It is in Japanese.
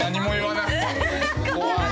怖い。